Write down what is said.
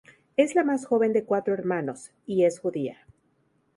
Es la más joven de cuatro hermanos, y es judía.